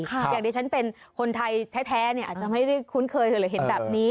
อย่างที่ฉันเป็นคนไทยแท้อาจจะไม่ได้คุ้นเคยหรือเห็นแบบนี้